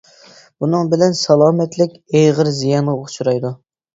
بۇنىڭ بىلەن سالامەتلىك ئېغىر زىيانغا ئۇچرايدۇ.